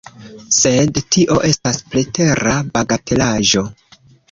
Sed tio estas pretera bagatelaĵo.